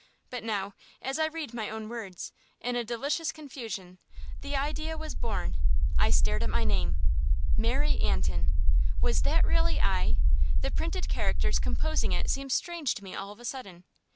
But now, as I read my own words, in a delicious confusion, the idea was born. I stared at my name: MARY ANTIN. Was that really I? The printed characters composing it seemed strange to me all of a sudden.